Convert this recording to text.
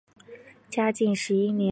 嘉靖十一年壬辰科进士。